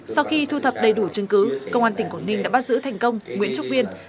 sau khi thu thập đầy đủ chứng cứ công an tỉnh quảng ninh đã bắt giữ thành công nguyễn trúc viên